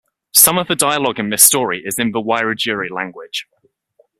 Some of the dialogue in this story is in the Wiradjuri language.